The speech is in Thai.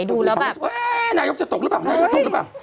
ดูแล้วแบบนายกจะตกหรือเปล่านายกจะตกหรือเปล่า